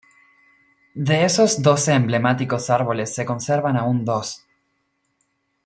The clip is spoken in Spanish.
De esos doce emblemáticos árboles se conservan aún dos.